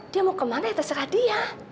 dia mau ke mana ya terserah dia